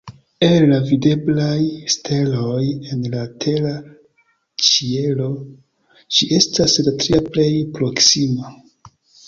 El la videblaj steloj en la tera ĉielo, ĝi estas la tria plej proksima.